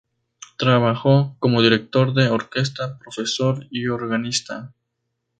Trabajó como director de orquesta, profesor y organista.